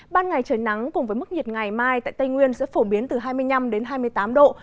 ban ngày trời nắng cùng với mức nhiệt ngày mai tại tây nguyên sẽ phổ biến từ hai mươi năm đến hai mươi tám độ